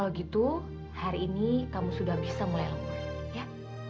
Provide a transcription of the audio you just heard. kalau gitu hari ini kamu sudah bisa mulai lembut ya